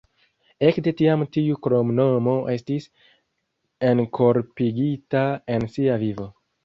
Ekde tiam tiu kromnomo estis enkorpigita en sia vivo.